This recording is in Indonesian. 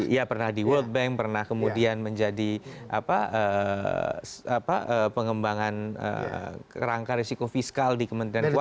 ya pernah di world bank pernah kemudian menjadi pengembangan kerangka risiko fiskal di kementerian keuangan